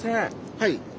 はい。